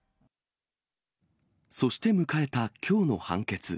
そして迎えたきょうの判決。